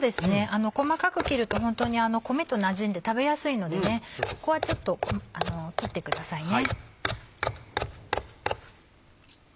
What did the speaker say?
細かく切るとホントに米となじんで食べやすいのでここはちょっと切ってくださいね。